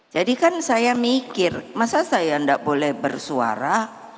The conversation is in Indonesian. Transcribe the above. kan saya mikir masa saya tidak boleh bersuara